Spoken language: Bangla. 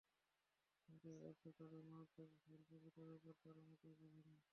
কিন্তু এটা তাদের মারাত্মক ভুল, প্রকৃত ব্যাপার তারা মোটেই বুঝেনি।